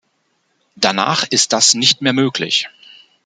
Danach ist das nicht mehr möglich.